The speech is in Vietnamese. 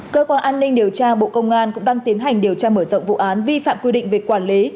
cơ quan an ninh điều tra bộ công an cũng đang tiến hành điều tra mở rộng vụ án vi phạm quy định về quản lý